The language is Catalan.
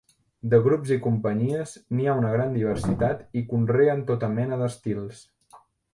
De grups i companyies, n’hi ha una gran diversitat i conreen tota mena d’estils.